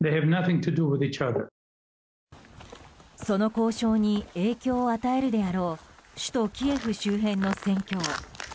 その交渉に影響を与えるであろう首都キエフ周辺の戦況。